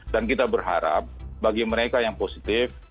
dan kita berharap bagi mereka yang positif